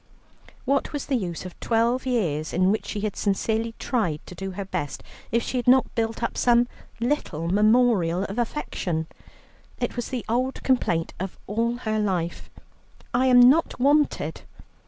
What was the use of twelve years in which she had sincerely tried to do her best, if she had not built up some little memorial of affection? It was the old complaint of all her life, "I am not wanted."